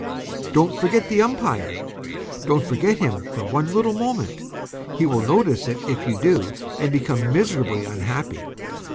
Don't forget the umpire. Don't forget him for one little moment. He will notice it if you do, and become miserably unhappy.